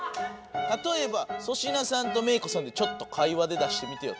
たとえば粗品さんとメイ子さんでちょっと会話で出してみてよ。